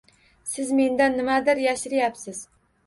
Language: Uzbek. Siz mendan nimanidir yashirayapsiz.